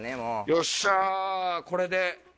よっしゃこれで。